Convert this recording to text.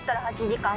８時間？